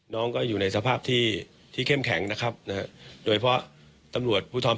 น้องก็อยู่ในสภาพที่เข้มแข็งนะครับโดยเพราะตำรวจภูทรภัณฑ์ภาค๑